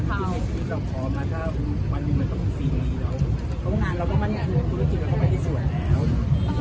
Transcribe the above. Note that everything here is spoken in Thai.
แล้วโครงงานเราก็มั่นงานในธุรกิจมันคงไม่ได้สวยแล้ว